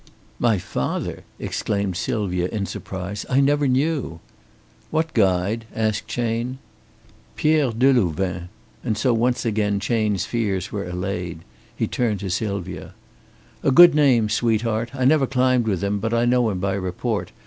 "My father!" exclaimed Sylvia, in surprise. "I never knew." "What guide?" asked Chayne. "Pierre Delouvain"; and so once again Chayne's fears were allayed. He turned to Sylvia. "A good name, sweetheart. I never climbed with him, but I know him by report.